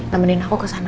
temenin aku kesana